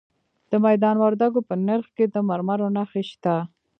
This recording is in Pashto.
د میدان وردګو په نرخ کې د مرمرو نښې شته.